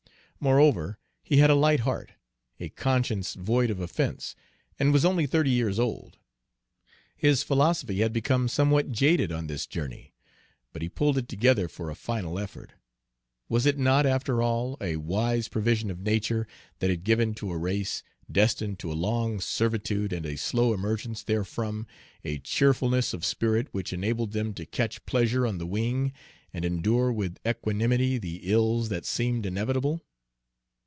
Moreover, he had a light heart, a conscience void of offense, and was only thirty years old. His philosophy had become somewhat jaded on this journey, but he pulled it together for a final effort. Was it not, after all, a wise provision of nature that had given to a race, destined to a long servitude and a slow emergence therefrom, a cheerfulness of spirit which enabled them to catch pleasure on the wing, and endure with equanimity the ills that seemed inevitable?